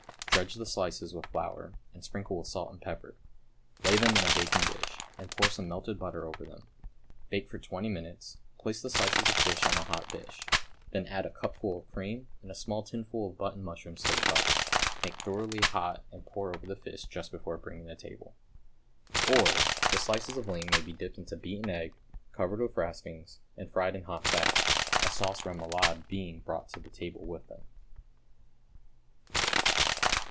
Dredge the slices with flour, and sprinkle with salt and pepper. Lay them in a baking dish, and pour some melted butter over them. Bake for twenty minutes, place the slices of fish on a hot dish, then add a cupful of cream and a small tinful of button mushrooms to the butter, make thoroughly hot and pour over the fish just before bringing to table. Or, the slices of ling may be dipped into beaten egg, covered with raspings, and fried in hot fat, a sauce rémoulade being brought to table with them.